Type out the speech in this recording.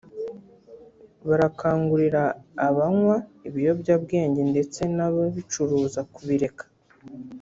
barakangurira abanywa ibiyobyabwenge ndetse n’ababicuruza kubireka